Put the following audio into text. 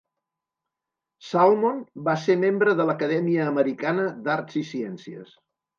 Salmon va ser membre de l'Acadèmia Americana d'Arts i Ciències.